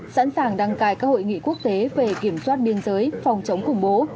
sẵn sàng đăng cài các hội nghị quốc tế về kiểm soát biên giới phòng chống khủng bố